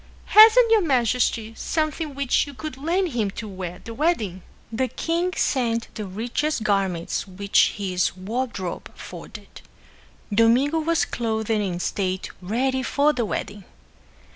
Hasn't your majesty something which you could lend him to wear at the wedding?" The king sent the richest garments which his wardrobe afforded. Domingo was clothed in state ready for the wedding.